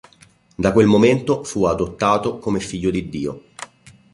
Da quel momento fu "adottato" come figlio di Dio.